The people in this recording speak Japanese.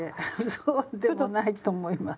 そうでもないと思います。